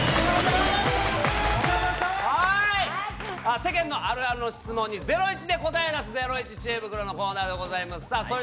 世間のあるあるの質問に『ゼロイチ』で答えを出す、ゼロイチ知恵袋のコーナーです。